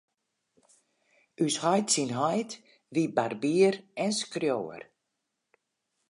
Us heit syn heit wie barbier en skriuwer.